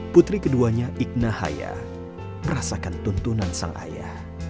putri keduanya iqna haya merasakan tuntunan sang ayah